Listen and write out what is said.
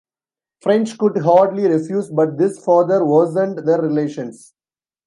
French could hardly refuse, but this further worsened their relations.